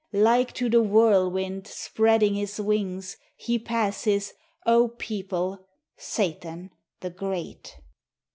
Like to the whirlwind Spreading his wings,... He passes, O people, Satan the great!